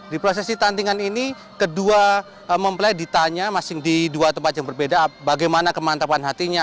di prosesi tantingan ini kedua mempelai ditanya masing di dua tempat yang berbeda bagaimana kemantapan hatinya